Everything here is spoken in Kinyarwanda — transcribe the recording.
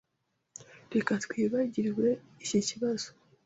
Reka twibagirwe iki kibazo.